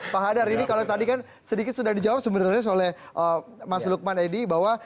pak hadar ini kalau tadi kan sedikit sudah dijawab sebenarnya oleh mas lukman edi bahwa